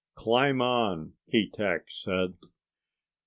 "Climb on," Keetack said.